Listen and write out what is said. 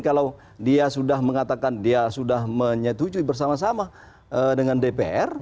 kalau dia sudah mengatakan dia sudah menyetujui bersama sama dengan dpr